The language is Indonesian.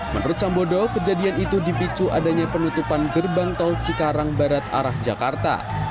menurut sambodo kejadian itu dipicu adanya penutupan gerbang tol cikarang barat arah jakarta